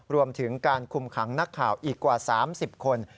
รวมถึงการคุมขังนักข่าวอีกกว่า๓๐คน